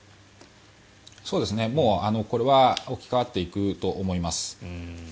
もうこれは置き換わっていくと思います。